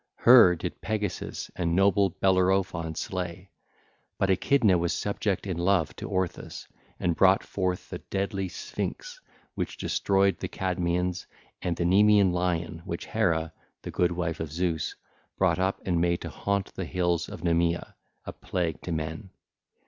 Her did Pegasus and noble Bellerophon slay; but Echidna was subject in love to Orthus and brought forth the deadly Sphinx which destroyed the Cadmeans, and the Nemean lion, which Hera, the good wife of Zeus, brought up and made to haunt the hills of Nemea, a plague to men.